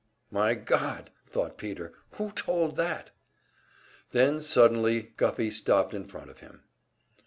"My God!" thought Peter. "Who told that?" Then suddenly Guffey stopped in front of him.